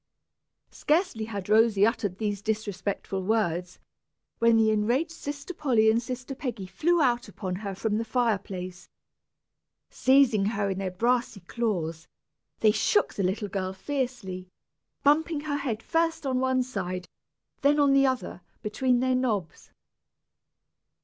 Scarcely had Rosy uttered these disrespectful words, when the enraged sister Polly and sister Peggy flew out upon her from the fireplace. Seizing her in their brassy claws, they shook the little girl fiercely, bumping her head first on one side, then on the other, between their knobs.